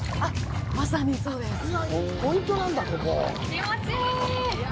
気持ちいい！